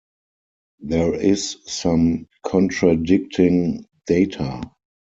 There is some contradicting data.